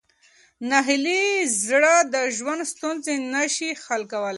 ناهیلي زړه د ژوند ستونزې نه شي حل کولی.